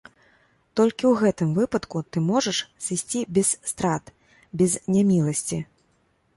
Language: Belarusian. Толькі ў гэтым выпадку ты можаш сысці без страт, без няміласці.